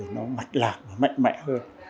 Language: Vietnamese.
nó mạch lạc mạnh mẽ hơn